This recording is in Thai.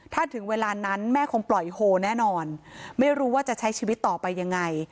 ถ้าถึงเวลานั้นแม่คงปล่อยโฮแน่นอนไม่รู้ว่าจะใช้ชีวิตต่อไปยังไง